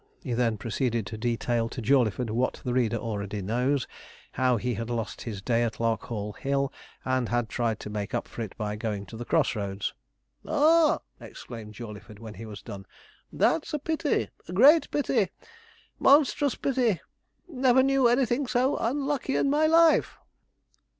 He then proceeded to detail to Jawleyford what the reader already knows, how he had lost his day at Larkhall Hill, and had tried to make up for it by going to the cross roads. 'Ah!' exclaimed Jawleyford, when he was done; 'that's a pity great pity monstrous pity never knew anything so unlucky in my life.'